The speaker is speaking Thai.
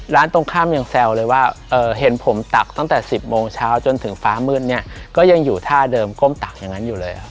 ตรงข้ามยังแซวเลยว่าเห็นผมตักตั้งแต่๑๐โมงเช้าจนถึงฟ้ามืดเนี่ยก็ยังอยู่ท่าเดิมก้มตักอย่างนั้นอยู่เลยครับ